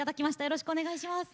よろしくお願いします。